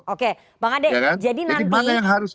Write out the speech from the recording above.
oke bang ade